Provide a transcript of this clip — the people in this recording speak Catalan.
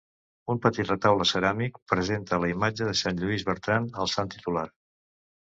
Un petit retaule ceràmic presenta la imatge de Sant Lluís Bertran, el sant titular.